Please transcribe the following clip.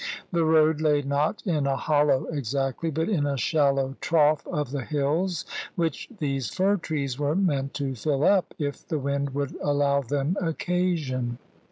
The road lay not in a hollow exactly, but in a shallow trough of the hills, which these fir trees were meant to fill up, if the wind would allow them occasion.